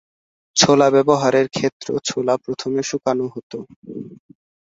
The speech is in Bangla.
ছোলা ব্যবহারের ক্ষেত্র ছোলা প্রথমে শুকানো হত।